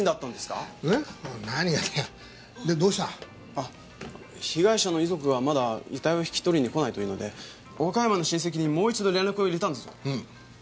あっ被害者の遺族がまだ遺体を引き取りに来ないというので岡山の親戚にもう一度連絡を入れたんですよ。